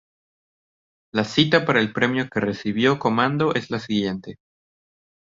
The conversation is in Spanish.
La cita para el premio que recibió Commando es la siguiente.